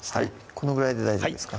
このぐらいで大丈夫ですか？